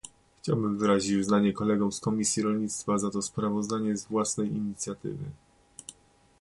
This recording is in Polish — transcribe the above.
Chciałbym wyrazić uznanie kolegom z Komisji Rolnictwa za to sprawozdanie z własnej inicjatywy